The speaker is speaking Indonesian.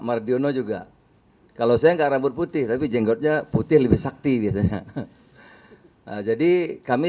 mardiono juga kalau saya enggak rambut putih tapi jenggotnya putih lebih sakti biasanya jadi kami